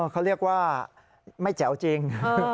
เขาเรียกว่าไม่แจ๋วจริง